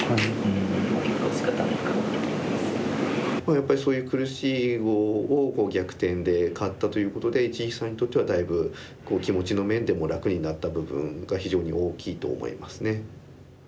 やっぱりそういう苦しい碁を逆転で勝ったということで一力さんにとってはだいぶ気持ちの面でも楽になった部分が非常に大きいと思いますね。